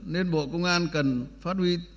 nên bộ công an cần phát huy